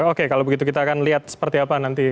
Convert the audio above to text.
oke kalau begitu kita akan lihat seperti apa nanti